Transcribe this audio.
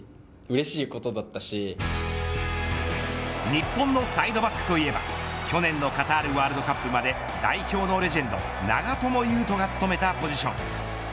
日本のサイドバックといえば去年のカタールワールドカップまで代表のレジェンド長友佑都が務めたポジション。